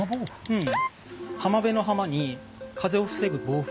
うん。